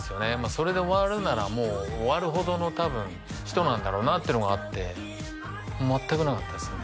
それで終わるならもう終わるほどの多分人なんだろうなっていうのがあって全くなかったですよね